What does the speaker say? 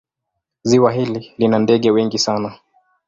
Ziwa hili lina ndege wengi sana.